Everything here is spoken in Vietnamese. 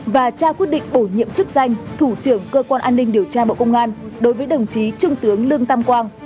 và trao quyết định bổ nhiệm chức danh thủ trưởng cơ quan an ninh điều tra bộ công an đối với đồng chí trung tướng lương tam quang